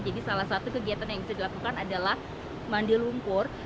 jadi salah satu kegiatan yang bisa dilakukan adalah mandi lumpur